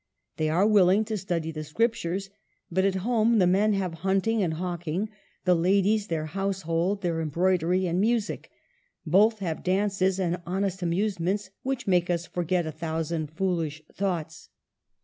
They are willing to study the Scriptures ; but at home the men have hunting and hawking, the ladies their household, their embroidery and music ; both have dances and honest amusements, *' which make us forget a thousand foolish thoughts."